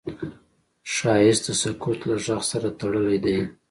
ښایست د سکوت له غږ سره تړلی دی